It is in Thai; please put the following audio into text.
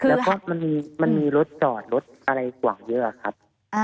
แล้วก็มันมีรถจอดรถอะไรขวางเยอะครับ